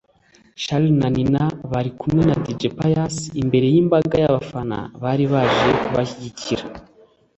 Charly na Nina bari kumwe na Dj Pius imbere y'imbaga y'abafana bari baje kubashyigikira